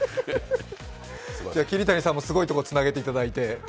桐谷さんもすごいとこつなげていただいて。